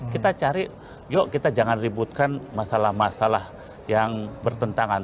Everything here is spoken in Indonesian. kita cari yuk kita jangan ributkan masalah masalah yang bertentangan